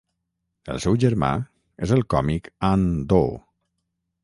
El seu germà és el còmic Anh Do.